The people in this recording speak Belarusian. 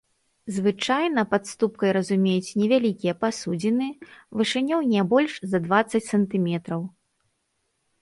Звычайна пад ступкай разумеюць невялікія пасудзіны вышынёй не больш за дваццаць сантыметраў.